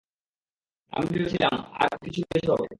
আমি ভেবেছিলাম আর কিছু বেশি হবে।